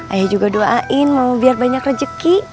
ayah juga doain mau biar banyak rejeki